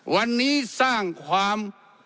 วันนี้สร้างความ